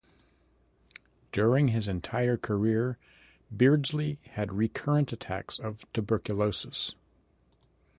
During his entire career, Beardsley had recurrent attacks of tuberculosis.